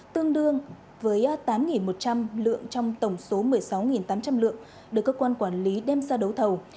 tương đương với tám một trăm linh lượng trong tổng số một mươi sáu tám trăm linh lượng được cơ quan quản lý đem ra đấu thầu